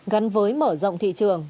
gắn với mở rộng thị trường